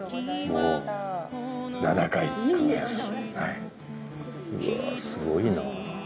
うわすごいなぁ。